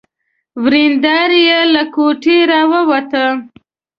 ورېندار يې له کوټې را ووته.